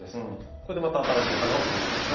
これでまた新しい花を植えられます。